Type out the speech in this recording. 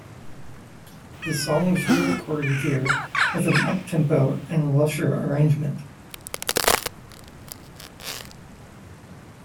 The song was re-recorded here with an uptempo and lusher arrangement.